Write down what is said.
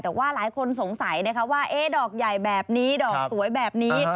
แต่ว่าหลายคนสงสัยนะคะว่าดอกใหญ่แบบนี้ดอกสวยแบบนี้